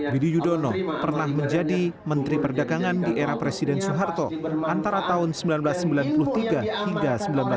bidi yudono pernah menjadi menteri perdagangan di era presiden soeharto antara tahun seribu sembilan ratus sembilan puluh tiga hingga seribu sembilan ratus sembilan puluh